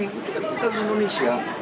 itu kan kita di indonesia